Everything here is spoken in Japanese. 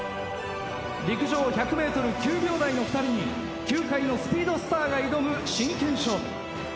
陸上１００ｍ９秒台の２人に球界のスピードスターが挑む真剣勝負。